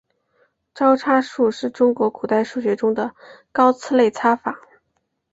招差术是中国古代数学中的高次内插法。